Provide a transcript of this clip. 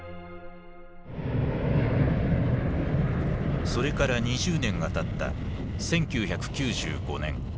それから２０年がたった１９９５年。